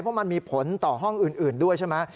เพราะมันมีผลต่อห้องอื่นด้วยใช่ไหม